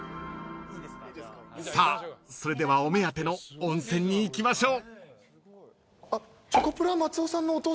［さあそれではお目当ての温泉に行きましょう］